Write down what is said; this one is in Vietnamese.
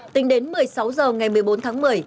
tính đến một mươi sáu h ngày một mươi bốn tháng một mươi